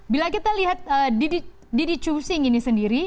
bila kita lihat didi xu xing ini sendiri